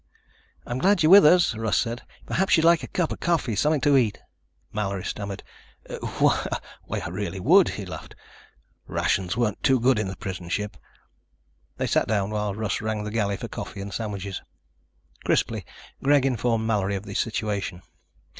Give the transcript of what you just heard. "I'm glad you're with us," Russ said. "Perhaps you'd like a cup of coffee, something to eat." Mallory stammered. "Why, I really would." He laughed. "Rations weren't too good in the prison ship." They sat down while Russ rang the galley for coffee and sandwiches. Crisply, Greg informed Mallory of the situation.